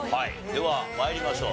では参りましょう。